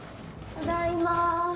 ただいま。